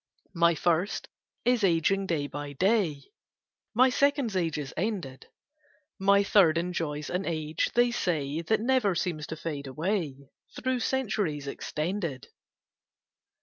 My First is ageing day by day: My Second's age is ended: My Third enjoys an age, they say, That never seems to fade away, Through centuries extended.